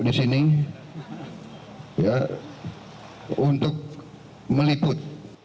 di sini untuk meliput